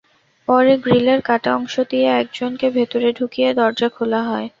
পরে গ্রিলের কাটা অংশ দিয়ে একজনকে ভেতরে ঢুকিয়ে দরজা খোলা হয়।